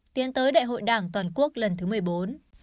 tiến tới đại hội đảng toàn quốc